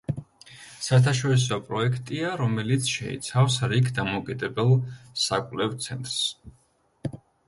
საერთაშორისო პროექტია, რომელიც შეიცავს რიგ დამოუკიდებელ საკვლევ ცენტრს.